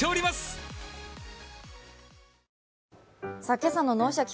今朝の「脳シャキ！